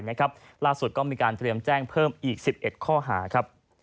ล่าสุดก็มีการเตรียมแจ้งเพิ่มอีก๑๑ข้อหาครับ